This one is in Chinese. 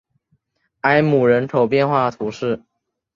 埃姆人口变化图示